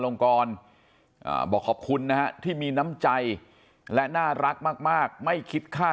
ลงกรบอกขอบคุณนะฮะที่มีน้ำใจและน่ารักมากไม่คิดค่า